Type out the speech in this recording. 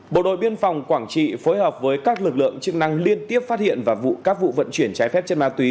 bộ đội biên phòng quảng trị phối hợp với các lực lượng chức năng liên tiếp phát hiện và các vụ vận chuyển trái phép chất ma túy